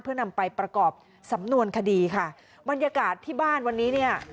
เพื่อนำไปประกอบสำนวนคดีค่ะบรรยากาศที่บ้านวันนี้เนี่ย